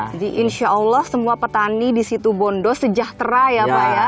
jadi insya allah semua petani di situbondo sejahtera ya pak ya